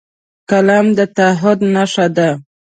قلم د تعهد نښه ده